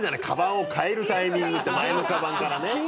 カバンを変えるタイミングって前のカバンからね。